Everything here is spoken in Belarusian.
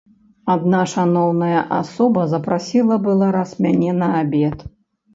Адна шаноўная асоба запрасіла была раз мяне на абед.